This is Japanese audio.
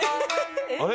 あれ？